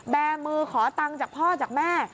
แบร์มือขอตังค์จากพ่อจากแม่